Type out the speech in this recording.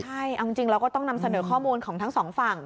ใช่เอาจริงเราก็ต้องนำเสนอข้อมูลของทั้งสองฝั่ง